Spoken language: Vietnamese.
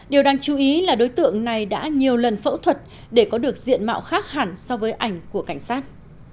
điều đáng chú ý là đối tượng này đã nhiều lần phẫu thuật để có được diện mạo khác hẳn so với ảnh của cảnh sát